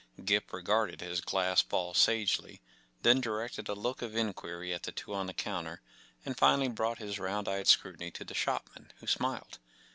Gip regarded his glass ball sagely, then directed a look of inquiry at the two on the counter, and finally brought his round eyed scrutiny to the shop¬ man, who smiled.